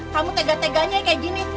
kamu tega teganya kayak gini